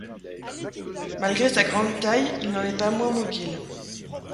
Malgré sa grande taille, il n'en est pas moins mobile.